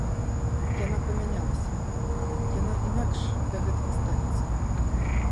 Яна памянялася, яна інакш да гэтага ставіцца.